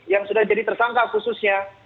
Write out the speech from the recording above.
yang sudah jadi tersangka khususnya